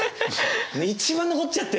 一番残っちゃってる？